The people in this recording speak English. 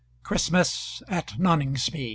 CHRISTMAS AT NONINGSBY.